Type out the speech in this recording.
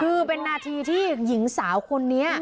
คือเป็นนาทีที่หญิงสาวคนนี้